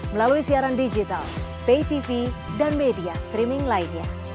melalui siaran digital pay tv dan media streaming lainnya